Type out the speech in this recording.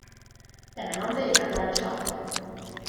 Dyna mae o'n ddeud ar flaen y siop.